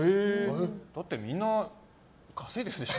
だってみんな稼いでるでしょ。